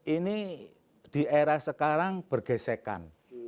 ini di era sekarang bergesekan